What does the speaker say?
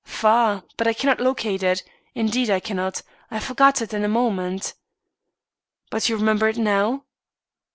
"Far, but I cannot locate it indeed, I cannot. I forgot it in a moment." "But you remember it now?"